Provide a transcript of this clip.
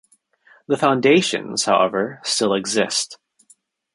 The foundations, however, still exist.